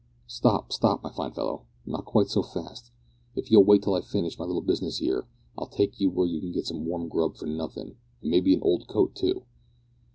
"Stop, stop, my fine fellow! Not quite so fast. If you'll wait till I've finished my little business here, I'll take you to where you'll get some warm grub for nothin', and maybe an old coat too."